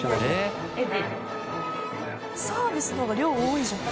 本田）サービスの方が量多いじゃん。